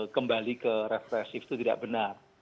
kembali ke represif itu tidak benar